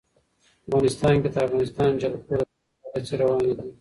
افغانستان کې د د افغانستان جلکو د پرمختګ هڅې روانې دي.